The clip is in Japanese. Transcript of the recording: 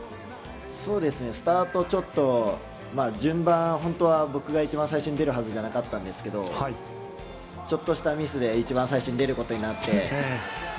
スタートはちょっと順番、本当は僕が一番最初に出るはずじゃなかったんですけどちょっとしたミスで一番最初に出ることになって。